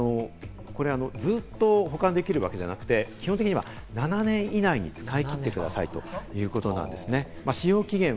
それから、ずっと保管できるわけじゃなくて、基本的には７年以内に使い切ってくださいということなんです。